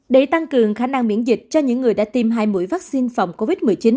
để tăng cường khả năng miễn dịch cho những người đã tiêm hai mũi vaccine phòng covid một mươi chín